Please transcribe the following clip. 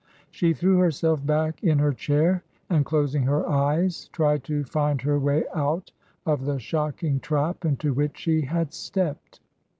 She threw herself back in her chair and, closing her eyes, tried to find her way out of the shocking trap into which she had stepped.